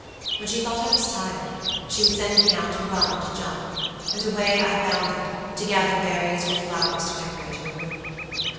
When she thought I was tired, she would send me out to run and jump; and away I bounded, to gather berries or flowers to decorate her room.